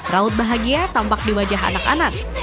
raut bahagia tampak di wajah anak anak